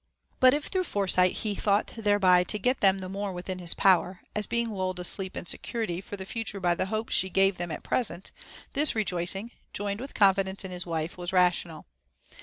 But if through foresight he thought thereby to get them the more within his power, as being lulled asleep in se curity for the future by the hopes she gave them at present, this rejoicing, joined with confidence in his wife, was ra tional.